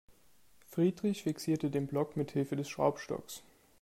Friedrich fixierte den Block mithilfe des Schraubstocks.